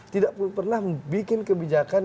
tidak pernah membuat kebijakan